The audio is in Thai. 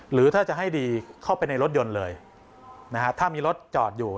หรือถ้าจะให้ดีเข้าไปในรถยนต์เลยนะฮะถ้ามีรถจอดอยู่